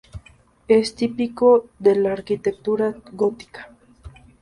Es típico de la arquitectura gótica.